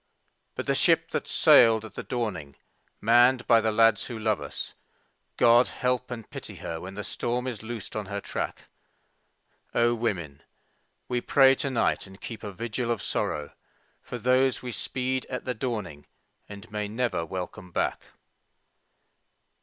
18 But the ship that sailed at the dawning, manned by the lads who love us — God help and pity her when the storm is loosed on her track! O women, we pray to night and keep a vigil of sorrow For those we speed at the dawning and may never welcome back!